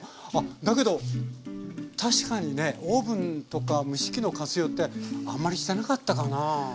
だけど確かにねオーブンとか蒸し器の活用ってあんまりしてなかったかな。